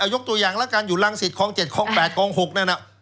ยกตัวอย่างละกันอยู่รังสิตคลอง๗คลอง๘คลอง๖นั่น